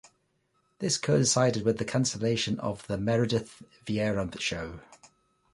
This coincided with the cancellation of "The Meredith Vieira Show".